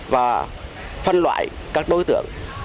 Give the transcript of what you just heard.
và phân loại các đối tượng